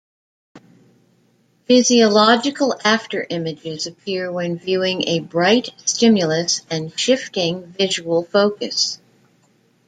Physiological afterimages appear when viewing a bright stimulus and shifting visual focus.